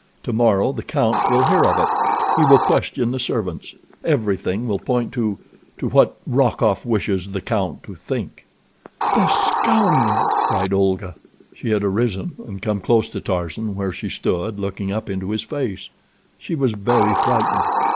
Tomorrow the count will hear of it. He will question the servants. Everything will point to—to what Rokoff wishes the count to think." "The scoundrel!" cried Olga. She had arisen, and come close to Tarzan, where she stood looking up into his face. She was very frightened.